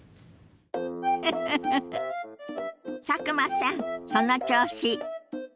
フフフ佐久間さんその調子！